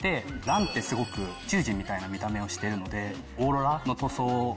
ランってすごく宇宙人みたいな見た目をしてるので。